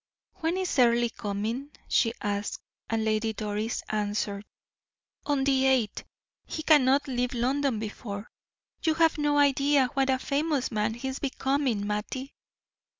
"When is Earle coming?" she asked, and Lady Doris answered: "On the eighth, he cannot leave London before, you have no idea what a famous man he is becoming Mattie."